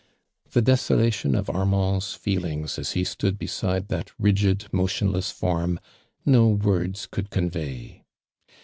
Tho desolation of Ar mand's feelings as he stood beside that rigid, motionless form, no words could convey.